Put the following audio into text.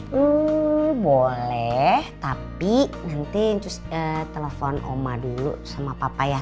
hmm boleh tapi nanti telepon oma dulu sama papa ya